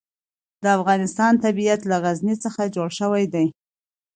د افغانستان طبیعت له غزني څخه جوړ شوی دی.